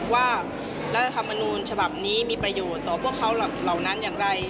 ว่ารัฐธรรมนูญฉบับนี้มีประโยชน์ต่อพวกเขาเหล่านั้นอย่างไร